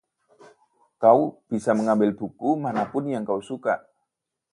Kau bisa mengambil buku manapun yang kau suka.